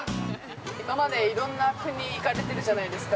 今までいろんな国に行かれてるじゃないですか。